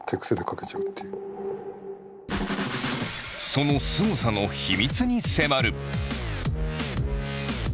そのすごさの秘密に迫る。